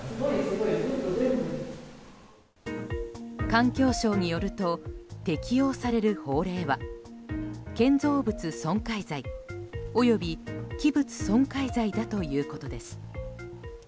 環境省によると適用される法令は建造物損壊罪及び器物損壊罪だということです。